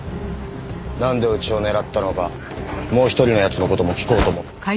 なんでうちを狙ったのかもう一人の奴の事も聞こうと思って。